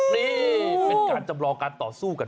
นี่เป็นการจำลองการต่อสู้กัน